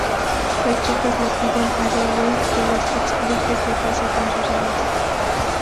Las chicas le piden a Dewey que les explique que pasa con sus alas.